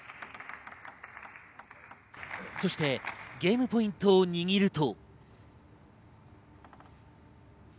そしてゲームポイントを握ると。